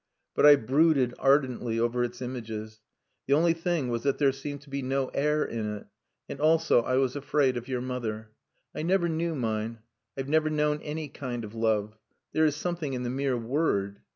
But I brooded ardently over its images. The only thing was that there seemed to be no air in it. And also I was afraid of your mother. I never knew mine. I've never known any kind of love. There is something in the mere word....